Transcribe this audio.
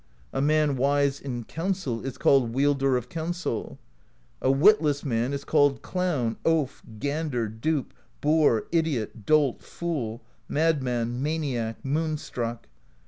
A man wise in Counsel is called Wielder of Counsel. A witless man is called Clown, Oaf, Gander, Dupe, Boor, Idiot, Dolt, Fool, Madman, Maniac, Moon Struck.